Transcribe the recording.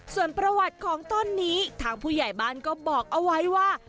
ส่วนประวัติของต้นนี้ทางผู้ใหญ่บ้านก็บอกเอาไว้ว่า